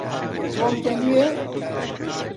تۆم، دەنووی؟